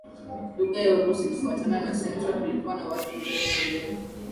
lugha za Urusi Kufuatana na sensa kulikuwa na watu milioni na mbili